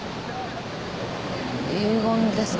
遺言ですか？